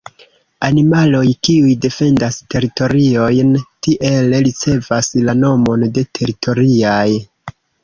Animaloj kiuj defendas teritoriojn tiele ricevas la nomon de teritoriaj.